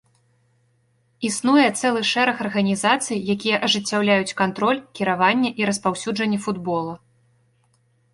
Існуе цэлы шэраг арганізацый, якія ажыццяўляюць кантроль, кіраванне і распаўсюджанне футбола.